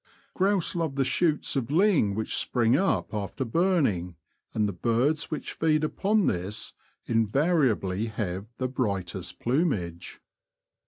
Grouse love the shoots of ling which spring up after burning, and the birds which feed upon this invariably have the brightest plumage.